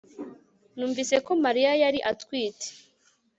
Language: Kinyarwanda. Numvise ko Mariya yari atwite